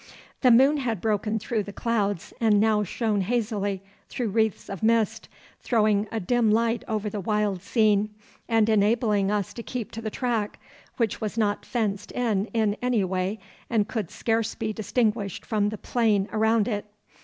The moon had broken through the clouds and now shone hazily through wreaths of mist, throwing a dim light over the wild scene, and enabling us to keep to the track, which was not fenced in in any way and could scarce be distinguished from the plain around it.